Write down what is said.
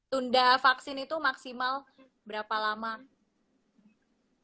tunda vaksin itu maksimal berapa lama